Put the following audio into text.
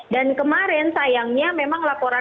dan kemarin sayangnya memang laporan